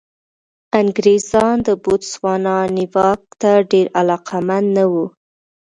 انګرېزان د بوتسوانا نیواک ته ډېر علاقمند نه وو.